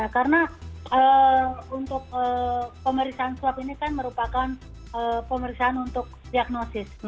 karena untuk pemeriksaan swab ini kan merupakan pemeriksaan untuk diagnosis